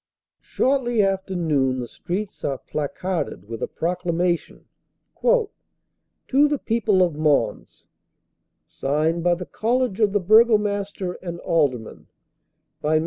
Shortly after noon the streets are placarded with a pro clamation, "To the People of Mons," signed by the College of the Burgomaster and Aldermen By MM.